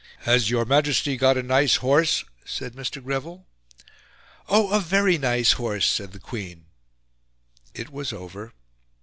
"Has your Majesty got a nice horse?" said Mr. Greville. "Oh, a very nice horse," said the Queen. It was over.